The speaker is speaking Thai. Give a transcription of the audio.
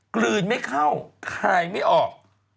กลืนไม่เข้าคายไม่ออก